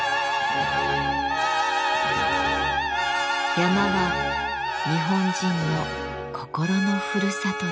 山は日本人の心のふるさとです。